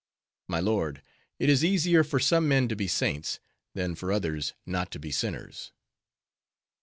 My lord, it is easier for some men to be saints, than for others not to be sinners."